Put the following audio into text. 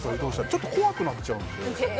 ちょっと怖くなっちゃうので。